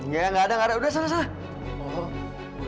gak ada gak ada udah selesai